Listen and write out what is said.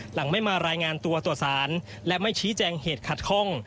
หลังไม่มารายงานตัวต่อสารและไม่ชี้แจงเหตุขัดข้อง